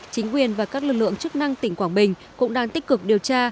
chính quyền và các lực lượng chức năng tỉnh quảng bình cũng đang tích cực điều tra